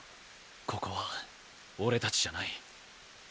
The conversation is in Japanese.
ここは俺達じゃない。